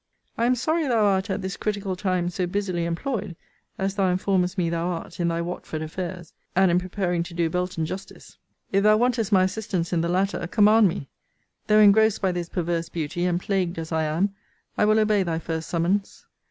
I am sorry thou art, at this critical time, so busily employed, as thou informest me thou art, in thy Watford affairs, and in preparing to do Belton justice. If thou wantest my assistance in the latter, command me. Though engrossed by this perverse beauty, and plagued as I am, I will obey thy first summons.